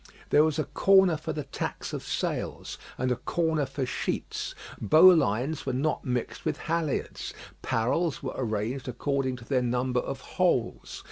There was a corner for the tacks of sails and a corner for sheets. Bow lines were not mixed with halliards; parrels were arranged according to their number of holes.